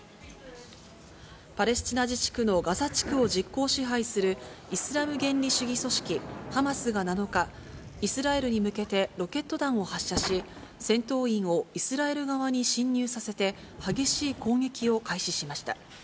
パレスチナ自治区のガザ地区を実効支配する、イスラム原理主義組織ハマスが７日、イスラエルに向けてロケット弾を発射し、戦闘員をイスラエル側に侵入させて、激しい攻撃を開始しました。